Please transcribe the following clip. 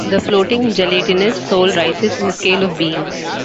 The floating gelatinous soul rises in the scale of being.